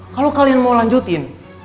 kalo kalian mau lanjutin